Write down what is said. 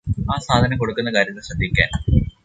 ആ സാധനം കൊടുക്കുന്ന കാര്യത്തില് ശ്രദ്ധിക്കാൻ